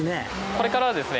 これからですね